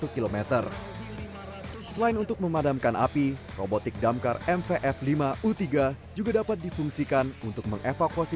satu km selain untuk memadamkan api robotik damkar mvf lima u tiga juga dapat difungsikan untuk mengevakuasi